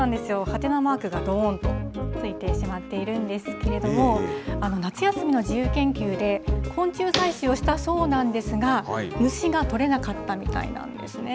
はてなマークがどーんとついてしまっているんですけど、夏休みの自由研究で昆虫採集をしたそうなんですが、虫が捕れなかったみたいなんですね。